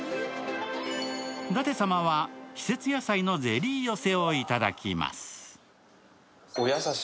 舘様は、季節野菜のゼリー寄せをいただきます。